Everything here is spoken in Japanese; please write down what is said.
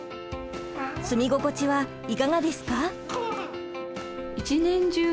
住み心地はいかがですか？